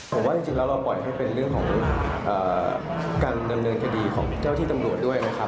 ผมว่าจริงแล้วเราปล่อยให้เป็นเรื่องของการดำเนินคดีของเจ้าที่ตำรวจด้วยนะครับ